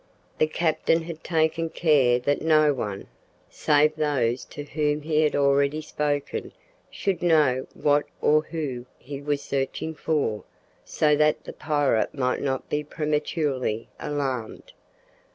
The captain had taken care that no one, save those to whom he had already spoken, should know what or who he was searching for, so that the pirate might not be prematurely alarmed.